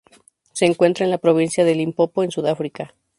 Se encuentra en la Provincia de Limpopo en Sudáfrica.